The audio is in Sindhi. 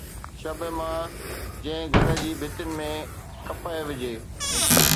شبِ مه، جنهن گهر جي ڀتين ۾ ڪپهه وجھي